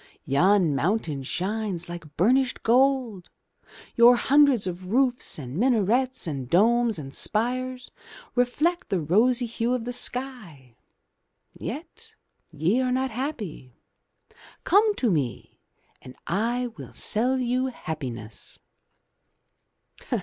Yon mountain shines like burnished gold, your hundreds of roofs and minarets and domes and spires reflect the rosy hue of the sky. Yet ye are not happy. Come to me and I will sell you happiness.'